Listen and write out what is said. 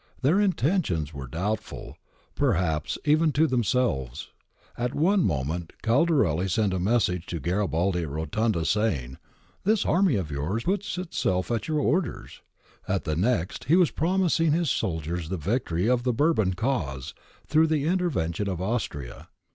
Their intentions were doubtful, perhaps even to them selves. At one moment Caldarelli sent a message to Garibaldi at Rotonda saying, 'This army of yours puts itself at your orders;'^ at the next he was promising to his soldiers the victory of the Bourbon cause through the intervention of Austria.